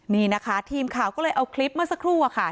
นี่นะคะทีมข่าวก็เลยเอาคลิปมาสักครู่โหว่าค่ะ